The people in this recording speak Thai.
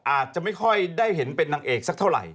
อาจจะไม่ค่อยได้เห็นเป็นนางเอกสักเท่าไหร